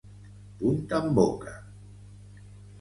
Punt en boca.